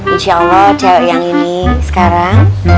insya allah jauh yang ini sekarang